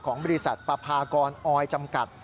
ของบริษัทประพากรอออยจำกัด